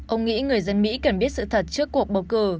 ông nghĩ người dân mỹ cần biết sự thật trước cuộc bầu cử